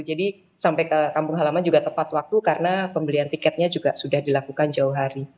jadi sampai ke kampung halaman juga tepat waktu karena pembelian tiketnya juga sudah dilakukan jauh hari